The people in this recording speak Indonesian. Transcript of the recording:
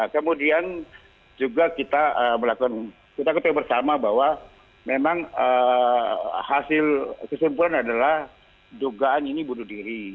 kemudian juga kita melakukan kita ketahui bersama bahwa memang hasil kesimpulan adalah dugaan ini bunuh diri